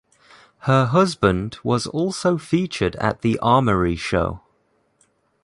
Her husband was also featured at the Armory Show.